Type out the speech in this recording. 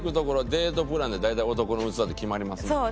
デートプランで大体男の器って決まりますもんね。